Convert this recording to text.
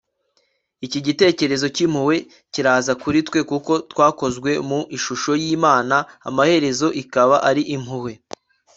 iki gitekerezo cy'impuhwe kiraza kuri twe kuko twakozwe mu ishusho y'imana, amaherezo ikaba ari impuhwe